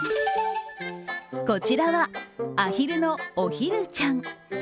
こちらは、あひるのおひるちゃん。